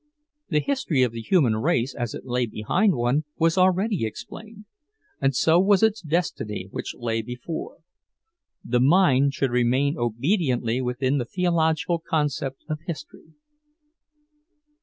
The history of the human race, as it lay behind one, was already explained; and so was its destiny, which lay before. The mind should remain obediently within the theological concept of history.